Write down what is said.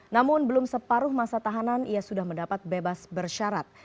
namun belum separuh masa tahanan ia sudah mendapat bebas bersyarat